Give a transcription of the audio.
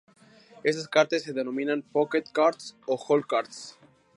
Estas cartas se denominan "pocket cards" o hole cards.